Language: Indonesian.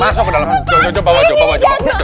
masuk ke dalam coba coba